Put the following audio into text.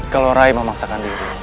kalau rai memaksakan diri